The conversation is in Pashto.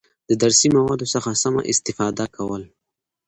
د درسي موادو څخه سمه استفاده کول،